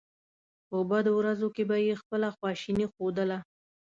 په بدو ورځو کې به یې خپله خواشیني ښودله.